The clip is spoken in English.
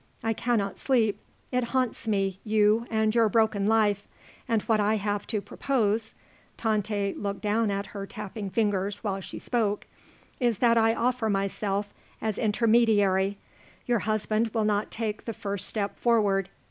I cannot sleep. It haunts me you and your broken life. And what I have to propose," Tante looked down at her tapping fingers while she spoke, "is that I offer myself as intermediary. Your husband will not take the first step forward.